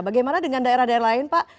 bagaimana dengan daerah daerah lain pak